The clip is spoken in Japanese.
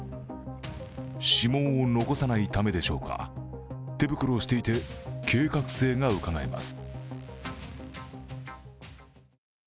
指紋を残さないためでしょうか、手袋をしていて計画性がうかがえます。